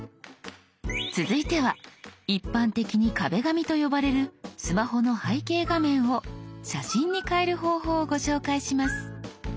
続いては一般的に「壁紙」と呼ばれるスマホの背景画面を写真に変える方法をご紹介します。